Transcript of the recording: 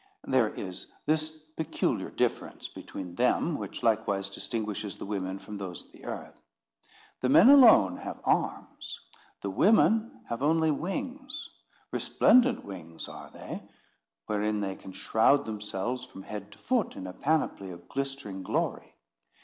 There is this peculiar difference between them, which likewise distinguishes the women from those of the earth. The men alone have arms; the women have only wings. Resplendent wings are they, wherein they can shroud themselves from head to foot in a panoply of glistering glory.